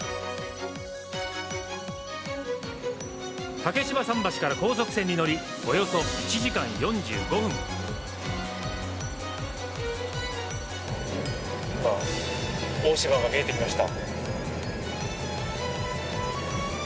竹芝桟橋から高速船に乗りおよそ１時間４５分大島が見えてきました。